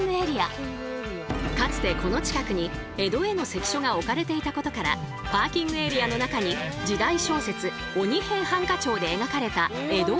かつてこの近くに江戸への関所が置かれていたことからパーキングエリアの中に時代小説「鬼平犯科帳」で描かれた江戸を再現。